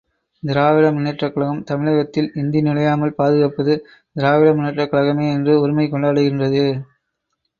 திராவிட முன்னேற்றக் கழகம், தமிழகத்தில் இந்தி நுழையாமல் பாதுகாப்பது திராவிட முன்னேற்றக் கழகமே என்று உரிமை கொண்டாடுகின்றது.